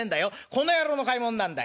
この野郎の買い物なんだい。